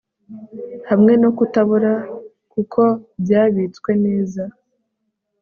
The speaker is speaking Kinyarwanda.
Hamwe no kutabora kuko byabitswe neza